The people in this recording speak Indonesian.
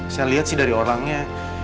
saya lihat sih dari orangnya